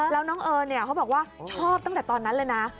แล้วน้องเอิญเขาบอกว่าชอบตั้งแต่ตอนนั้นเลยนะ